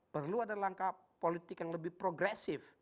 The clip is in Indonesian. perlu ada langkah politik yang lebih progresif